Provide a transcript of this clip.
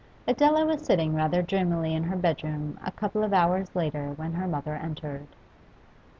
Adela was sitting rather dreamily in her bedroom a couple of hours later when her mother entered.